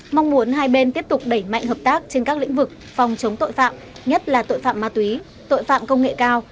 mong muốn hai bên tiếp tục đẩy mạnh hợp tác trên các lĩnh vực phòng chống tội phạm nhất là tội phạm ma túy tội phạm công nghệ cao